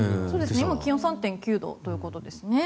今気温３．９度ということですね。